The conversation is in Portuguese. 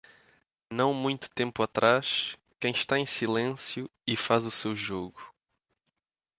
Não muito tempo atrás, quem está em silêncio e faz o seu jogo.